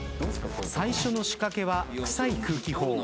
最初の仕掛けは臭い空気砲。